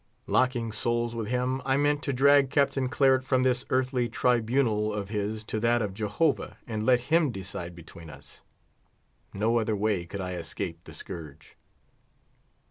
Locking souls with him, I meant to drag Captain Claret from this earthly tribunal of his to that of Jehovah and let Him decide between us. No other way could I escape the scourge.